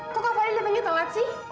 kok kak valya livingnya telat sih